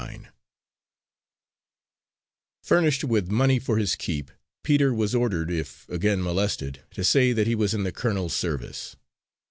Nine Furnished with money for his keep, Peter was ordered if again molested to say that he was in the colonel's service.